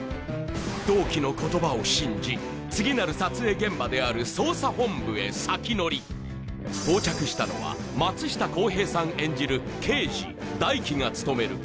同期の言葉を信じ次なる撮影現場である捜査本部へ先乗り到着したのは松下洸平さん演じる